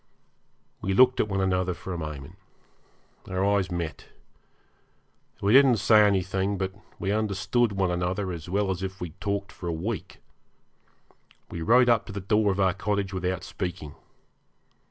We looked at one another for a moment. Our eyes met. We didn't say anything; but we understood one another as well as if we had talked for a week. We rode up to the door of our cottage without speaking.